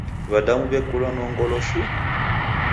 W'adamu w'ekulwa no ngolo shuu!